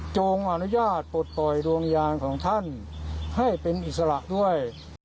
จงอนุญาตปลดปล่อยดวงยางของท่านให้เป็นอิสระด้วย